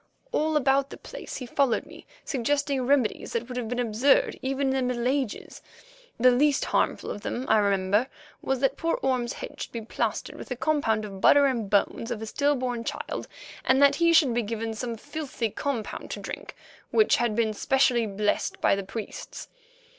All about the place he followed me suggesting remedies that would have been absurd even in the Middle Ages. The least harmful of them, I remember, was that poor Orme's head should be plastered with a compound of butter and the bones of a still born child, and that he should be given some filthy compound to drink which had been specially blessed by the priests.